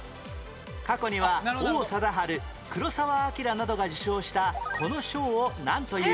過去には王貞治黒澤明などが受賞したこの賞をなんという？